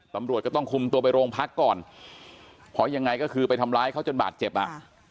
ตำรวจก็ต้องคุมตัวไปโรงพักก่อนเพราะยังไงก็คือไปทำร้ายเขาจนบาดเจ็บอ่ะ